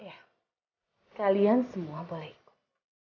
ya kalian semua boleh ikut